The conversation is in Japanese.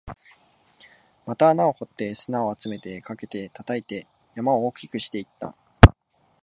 また穴を掘って、砂を集めて、かけて、叩いて、山を大きくしていった